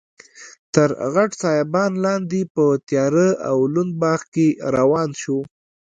تر غټ سایبان لاندې په تیاره او لوند باغ کې روان شوو.